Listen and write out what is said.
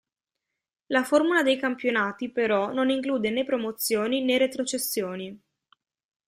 La formula dei campionati, però, non include né promozioni né retrocessioni.